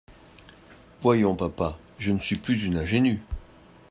Voyons, papa ; je ne suis plus une ingénue.